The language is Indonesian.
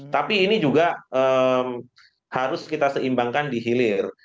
tapi ini juga harus kita seimbangkan di hilir